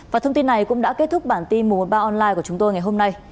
và thông tin này cũng đã kết thúc bản tin một trăm một mươi ba online của chúng tôi ngày hôm nay